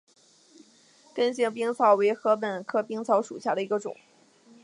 根茎冰草为禾本科冰草属下的一个种。